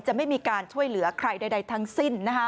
ไม่มีการช่วยเหลือใครใดทั้งสิ้น